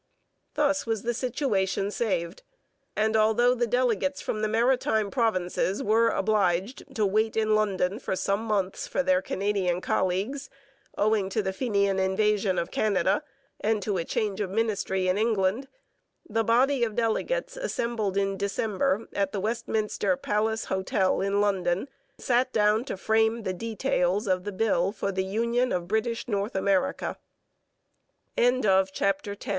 Thus was the situation saved; and, although the delegates from the Maritime Provinces were obliged to wait in London for some months for their Canadian colleagues, owing to the Fenian invasion of Canada and to a change of ministry in England, the body of delegates assembled in December at the Westminster Palace Hotel, in London, and sat down to frame the details of the bill